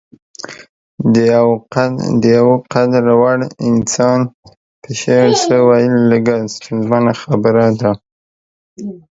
د يو قدر وړ انسان په شعر څه ويل لږه ستونزمنه خبره ده.